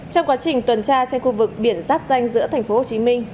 trong quá trình tuần tra trên khu vực biển giáp danh giữa thành phố hồ chí minh